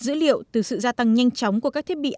dữ liệu từ sự gia tăng nhanh chóng của các thiết bị